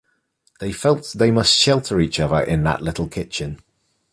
They felt they must shelter each other in that little kitchen.